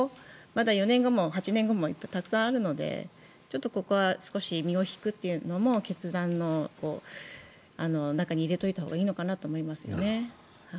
まだ４年後も８年後もたくさんあるのでここは少し身を引くというのも決断の中に入れておいたほうがいいのかなと思いますよね。